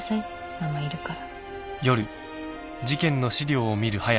ママいるから。